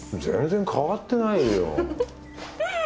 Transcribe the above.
全然変わってないよ。